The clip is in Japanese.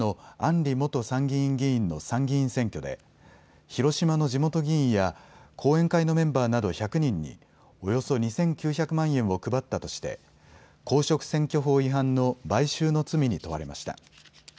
里元参議院議員の参議院選挙で広島の地元議員や後援会のメンバーなど１００人におよそ２９００万円を配ったとして公職選挙法違反の買収の罪に問われました。